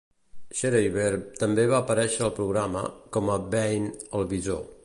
Schreiber també va aparèixer al programa, com a Beanie el bisó.